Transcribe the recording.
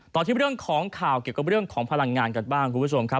ที่เรื่องของข่าวเกี่ยวกับเรื่องของพลังงานกันบ้างคุณผู้ชมครับ